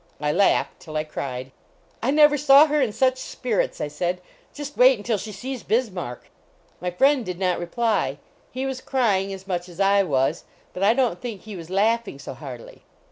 I laughed till I cried. " I never saw her in such spirits," I said. " Just wait until she sees Bismarck!" My friend did not reply. He was crying as much as I was, but I don t think he was laughing so heartily.